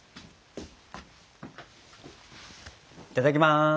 いただきます。